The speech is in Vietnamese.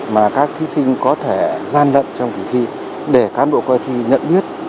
mà các thí sinh có thể gian lận trong kỳ thi để cán bộ coi thi nhận biết